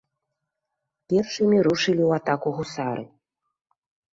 Першымі рушылі ў атаку гусары.